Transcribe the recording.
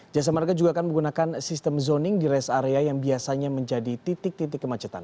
jasa marga juga akan menggunakan sistem zoning di rest area yang biasanya menjadi titik titik kemacetan